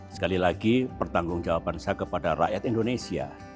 sekali lagi pertanggung jawaban saya kepada rakyat indonesia